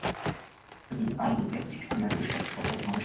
এটি আই-লীগের United Sports ক্লাবের হোম স্টেডিয়াম।